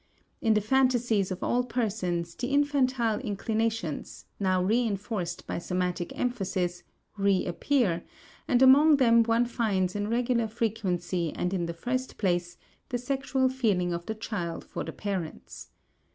In the phantasies of all persons the infantile inclinations, now reënforced by somatic emphasis, reappear, and among them one finds in regular frequency and in the first place the sexual feeling of the child for the parents.